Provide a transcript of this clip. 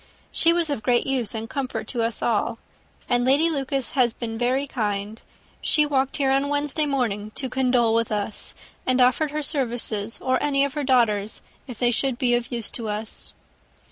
She was of great use and comfort to us all, and Lady Lucas has been very kind: she walked here on Wednesday morning to condole with us, and offered her services, or any of her daughters, if they could be of use to us."